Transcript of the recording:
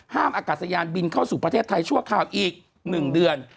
อากาศยานบินเข้าสู่ประเทศไทยชั่วคราวอีก๑เดือน